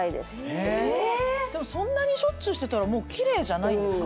そんなにしょっちゅうしてたらもう奇麗じゃないんですか？